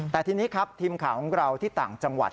แต่ทีนี้ครับทีมข่าวของเราที่ต่างจังหวัด